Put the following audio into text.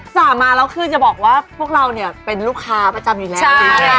สามารถเราคือจะบอกความว่าพวกเราเป็นลูกค้าประจำอยู่แรก